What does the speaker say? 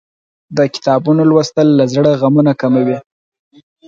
د کتابونو لوستل له زړه غمونه کموي.